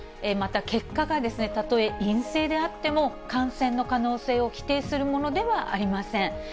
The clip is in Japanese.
また結果がたとえ陰性であっても、感染の可能性を否定するものではありません。